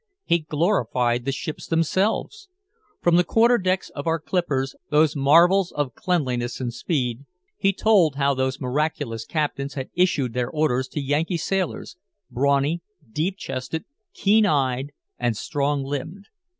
He glorified the ships themselves. From the quarter decks of our clippers, those marvels of cleanliness and speed, he told how those miraculous captains had issued their orders to Yankee sailors, brawny, deep chested, keen eyed and strong limbed.